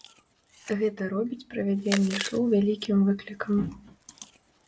Гэта робіць правядзенне шоу вялікім выклікам.